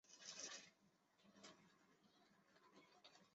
洪武二十六年举人。